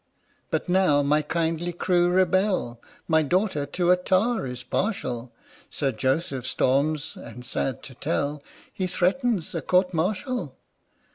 But now my kindly crew rebel, My daughter to a Tar is partial, Sir Joseph storms, and, sad to tell, He threatens a Court Martial!